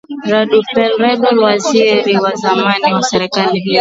radufel rebelo waziri wa zamani wa serikali hiyo